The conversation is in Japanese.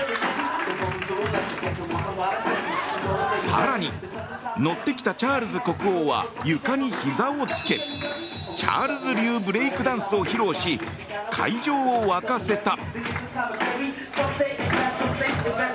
更に乗ってきたチャールズ国王は床にひざをつけチャールズ流ブレイクダンスを披露し会場を沸かせた。